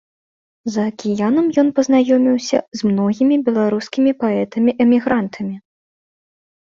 За акіянам ён пазнаёміўся з многімі беларускімі паэтамі-эмігрантамі.